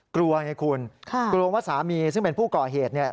กลัวไงคุณกลัวว่าสามีซึ่งเป็นผู้ก่อเหตุเนี่ย